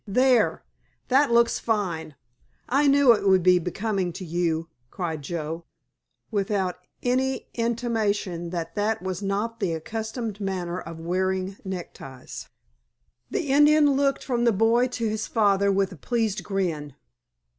"There! That looks fine! I knew it would be becoming to you," cried Joe, without an intimation that that was not the accustomed manner of wearing neckties. The Indian looked from the boy to his father with a pleased grin.